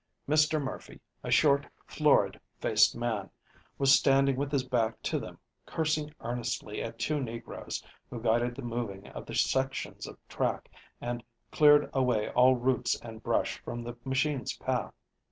Mr. Murphy, a short, florid faced man, was standing with his back to them, cursing earnestly at two negroes, who guided the moving of the sections of track and cleared away all roots and brush from the machine's path.